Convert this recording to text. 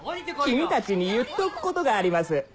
君たちに言っとくことがあります